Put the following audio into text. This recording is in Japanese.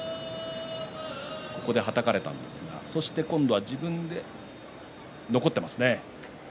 ここではたかれたんですがそして今度は自分で残っていますね。